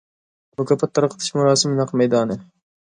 مۇكاپات تارقىتىش مۇراسىمى نەق مەيدانى.